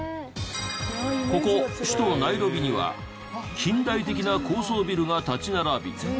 ここ首都ナイロビには近代的な高層ビルが立ち並び。